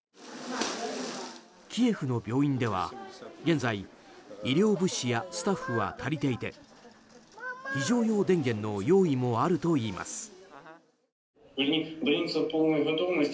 キエフの病院では、現在医療物資やスタッフは足りていて、非常用電源の用意もあるといいます。